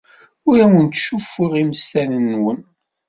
Ur awen-ttcuffuɣ imastalen-nwen.